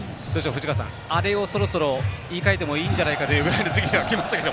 藤川さんアレを、そろそろ言い換えてもいいんじゃないかというぐらいの時期がきましたが。